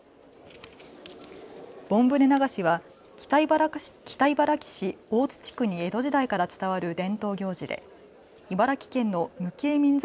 盆船流しは北茨城市大津地区に江戸時代から伝わる伝統行事で茨城県の無形民俗